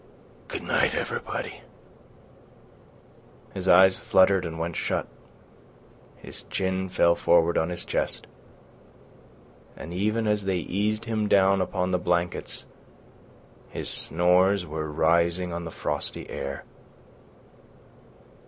... Goo' night, everybody." His eyes fluttered and went shut. His chin fell forward on his chest. And even as they eased him down upon the blankets his snores were rising on the frosty air.